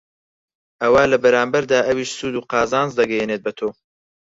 ئەوا لە بەرامبەردا ئەویش سوود و قازانج دەگەیەنێت بەتۆ